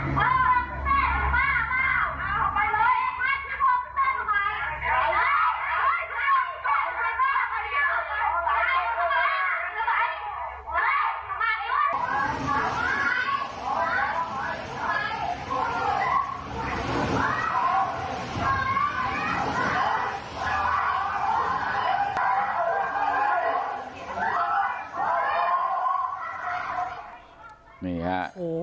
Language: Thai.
ไม่ไม่ไม่ไม่มากเลย